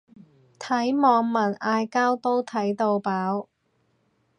睇網民嗌交都睇到飽